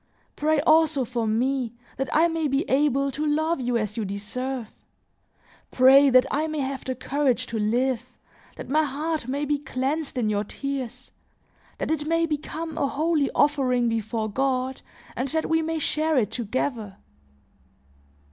Pray also for me, that I may be able to love you as you deserve. Pray that I may have the courage to live; that my heart may be cleansed in your tears; that it may become a holy offering before God and that we may share it together."